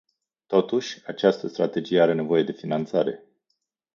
Totuși, această strategie are nevoie de finanțare.